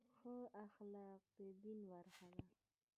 ښه اخلاق د دین برخه ده.